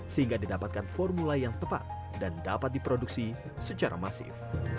sehingga didapatkan formula yang tepat dan dapat diproduksi secara masif